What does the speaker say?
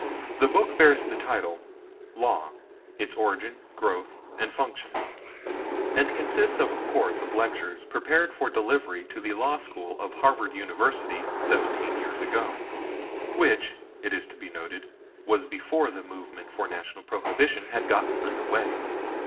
The book bears the title "Law: its Origin, Growth and Function," and consists of a course of lectures prepared for delivery to the law school of Harvard University seventeen years ago; which, it is to be noted, was before the movement for National Prohibition had got under way.